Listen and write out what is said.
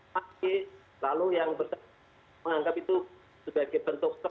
maksimal lalu yang berkata kata menganggap itu sebagai bentuk kekerasan